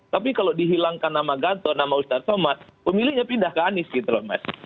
tapi kalau dihilangkan nama gator nama ustadz somad pemilihnya pindah ke anies gitu loh mas